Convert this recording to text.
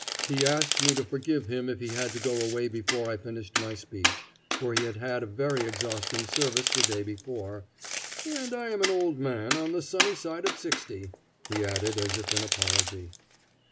He asked me to forgive him if he had to go away before I finished my speech, for he had had a very exhausting service the day before, "and I am an old man, on the sunny side of sixty," he added as if in apology.